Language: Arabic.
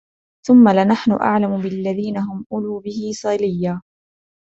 ثُمَّ لَنَحْنُ أَعْلَمُ بِالَّذِينَ هُمْ أَوْلَى بِهَا صِلِيًّا